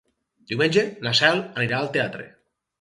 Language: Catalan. Diumenge na Cel anirà al teatre.